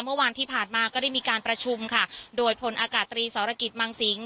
เมื่อวานที่ผ่านมาก็ได้มีการประชุมค่ะโดยพลอากาศตรีสรกิจมังสิง